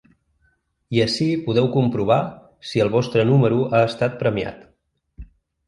I ací podeu comprovar si el vostre número ha estat premiat.